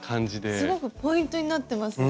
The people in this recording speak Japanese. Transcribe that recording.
すごくポイントになってますね。